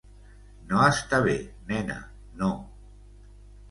No està bé, nena, no.